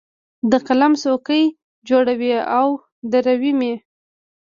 د قلم څوکې جوړوي او درومې